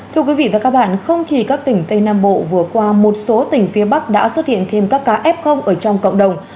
thưa quý vị và các bạn không chỉ các tỉnh tây nam bộ vừa qua một số tỉnh phía bắc đã xuất hiện thêm các ca f ở trong cộng đồng